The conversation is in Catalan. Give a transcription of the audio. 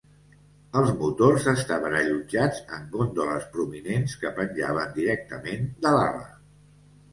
Els motors estaven allotjats en góndoles prominents que penjaven directament de l'ala.